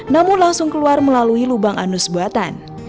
namun langsung keluar melalui lubang anus buatan